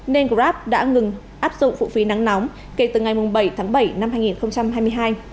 nên grab đã ngừng áp dụng phụ phí nắng nóng kể từ ngày bảy tháng bảy năm hai nghìn hai mươi hai